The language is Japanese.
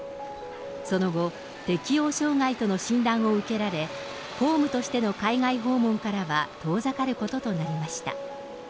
その後、適応障害との診断を受けられ、公務としての海外訪問からは遠ざかることとなりました。